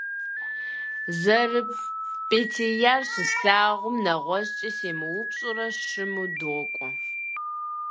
ЗэрыпӀейтеяр щыслъагъум, нэгъуэщӀкӀэ семыупщӀурэ, щыму докӀуэ.